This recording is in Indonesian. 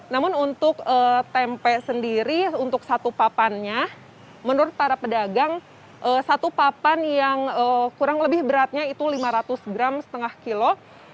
namun untuk tempe sendiri untuk satu papannya menurut para pedagang satu papan yang kurang lebih beratnya itu lima ratus gram setengah kilo